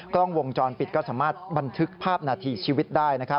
กล้องวงจรปิดก็สามารถบันทึกภาพนาทีชีวิตได้